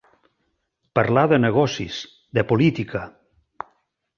Parlar de negocis, de política.